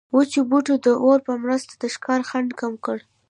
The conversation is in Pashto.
وچو بوټو د اور په مرسته د ښکار خنډ کم کړ.